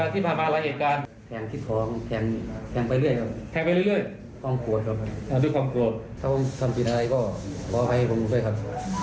แทงที่ท้องแทงไปเรื่อยครับ